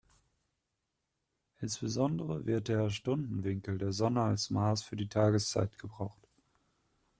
Insbesondere wird der Stundenwinkel der Sonne als Maß für die Tageszeit gebraucht.